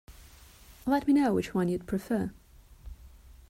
Let me know which one you'd prefer.